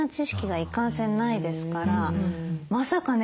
まさかね